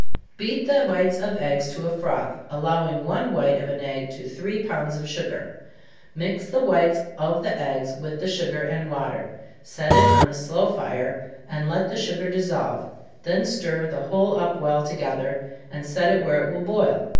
Beat the whites of eggs to a froth, allowing one white of an egg to three pounds of sugar mix the whites of the eggs with the sugar and water, set it on a slow fire, and let the sugar dissolve, then stir the whole up well together, and set it where it will boil.